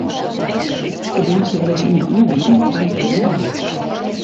De blomkoal is yn de oanbieding by de Jumbo.